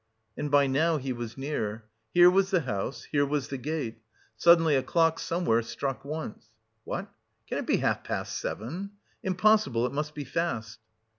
And by now he was near; here was the house, here was the gate. Suddenly a clock somewhere struck once. "What! can it be half past seven? Impossible, it must be fast!"